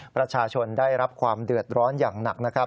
ประชาชนได้รับความเดือดร้อนอย่างหนักนะครับ